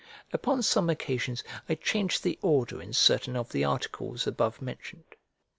Upon some occasions I change the order in certain of the articles abovementioned.